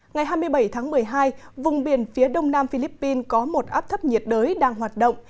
ngày hai mươi bảy tháng một mươi hai vùng biển phía đông nam philippines có một áp thấp nhiệt đới đang hoạt động